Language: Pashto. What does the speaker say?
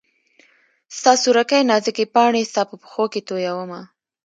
ستا سورکۍ نازکي پاڼي ستا په پښو کي تویومه